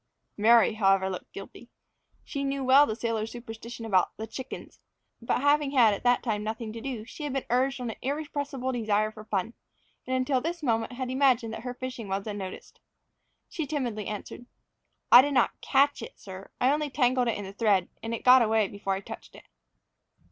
Mary, however, looked guilty. She knew well the sailor's superstition about the "chickens," but having had at that time nothing to do, she had been urged on by an irrepressible desire for fun, and until this moment had imagined that her fishing was unnoticed. She timidly answered, "I did not catch it, sir; I only tangled it in the thread, and it got away before I touched it."